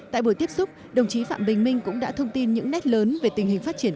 tại buổi tiếp xúc đồng chí phạm bình minh cũng đã thông tin những nét lớn về tình hình phát triển